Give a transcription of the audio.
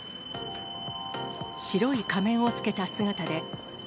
白い仮面をつけた姿で。